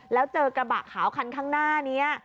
แล้วเจอกระบะขาวคันข้างหน้านี้